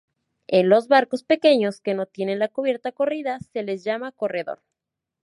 En los barcos pequeños que no tienen la cubierta corrida, se les llama "corredor".